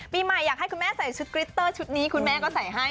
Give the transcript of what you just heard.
ปีใหม่อยากให้คุณแม่ใส่ชุดกริตเตอร์ชุดนี้คุณแม่ก็ใส่ให้